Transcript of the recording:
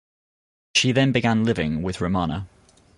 She then began living with Romana.